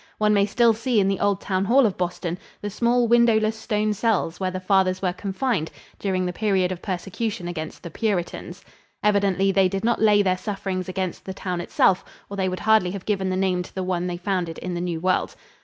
One may still see in the old town hall of Boston the small, windowless stone cells where the Fathers were confined during the period of persecution against the Puritans. Evidently they did not lay their sufferings against the town itself, or they would hardly have given the name to the one they founded in the New World.